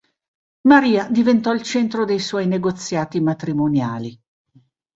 Maria diventò il centro dei suoi negoziati matrimoniali.